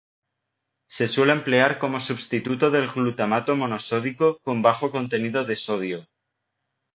Se suele emplear como substituto del glutamato monosódico con bajo contenido de sodio.